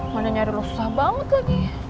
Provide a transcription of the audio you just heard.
mana nyari lo susah banget lagi